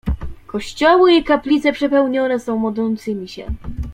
"Kościoły i kaplice przepełnione są modlącymi się."